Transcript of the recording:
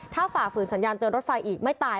ถ้าฝ่าฝืนสัญญาณเตือนรถไฟอีกไม่ตาย